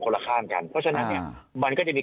ละข้างกันเพราะฉะนั้นเนี่ยมันก็จะมี